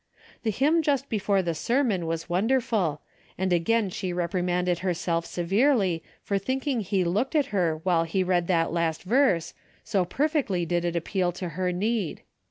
The hymn just be fore the sermon was wonderful, and again she 270 DAILY rate:' reprimanded herself severely, for thinking he looked at her while he read that last verse, so perfectly did it appeal to her need.